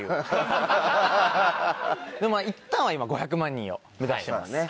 でもいったんは５００万人を目指してます。